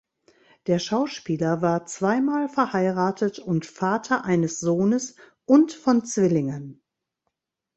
Der Schauspieler war zweimal verheiratet und Vater eines Sohnes und von Zwillingen.